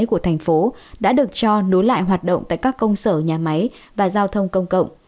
của thành phố đã được cho nối lại hoạt động tại các công sở nhà máy và giao thông công cộng